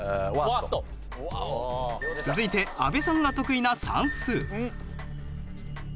続いて阿部さんが得意な算数。